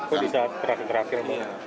kok bisa terakhir terakhir